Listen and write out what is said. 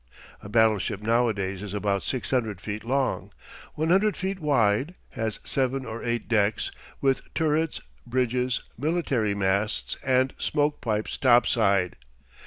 A battleship nowadays is about 600 feet long, 100 feet wide, has seven or eight decks, with turrets, bridges, military masts, and smoke pipes topside.